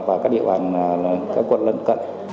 và các địa bàn quận lận cận